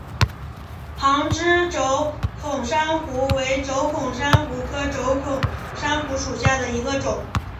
旁枝轴孔珊瑚为轴孔珊瑚科轴孔珊瑚属下的一个种。